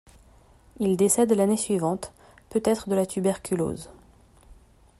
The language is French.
Il décède l'année suivante, peut-être de la tuberculose.